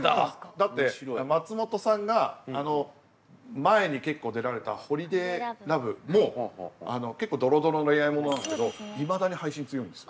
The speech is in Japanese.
だって松本さんが前に結構出られた「ホリデイラブ」も結構ドロドロの恋愛物なんですけどいまだに配信強いんです。